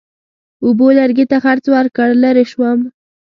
اوبو لرګي ته څرخ ورکړ، لرې شوم.